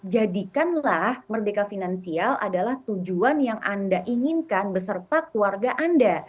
jadikanlah merdeka finansial adalah tujuan yang anda inginkan beserta keluarga anda